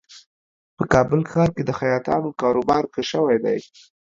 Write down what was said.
په کابل ښار کې د خیاطانو کاروبار ښه شوی دی